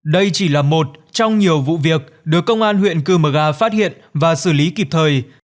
đây chỉ là một trong nhiều vụ việc được công an huyện cư mờ ga phát hiện và xử lý kịp thời